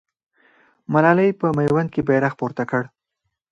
ملالۍ په میوند کې بیرغ پورته کړ.